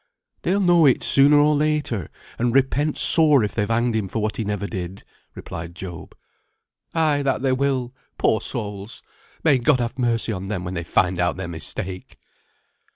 "They'll know it sooner or later, and repent sore if they've hanged him for what he never did," replied Job. "Ay, that they will. Poor souls! May God have mercy on them when they find out their mistake."